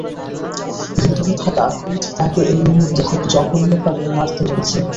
ভেতরে থাকা ক্রোধ তোকে এই মূহুর্তে খুব জঘন্যভাবে মারতে বলছে।